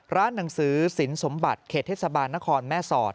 หนังสือสินสมบัติเขตเทศบาลนครแม่สอด